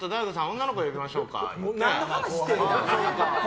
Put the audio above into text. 女の子呼びましょうかって。